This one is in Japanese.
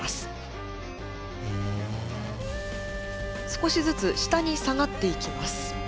少しずつ下に下がっていきます。